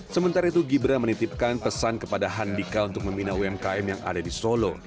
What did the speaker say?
sementara itu gibran menitipkan pesan kepada handika untuk membina umkm yang ada di solo